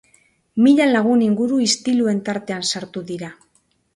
Mila lagun inguru istiluen tartean sartu dira.